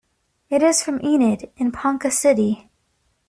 It is from Enid and Ponca City.